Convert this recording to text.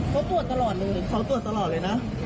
เขาสวดตลอดเลยนะ